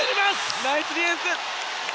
ナイスディフェンス！